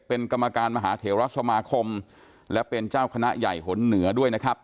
เป็นกรรมการมหาเทวรัฐสมาคมและเป็นเจ้าคณะใหญ่หนเหนือด้วยนะครับ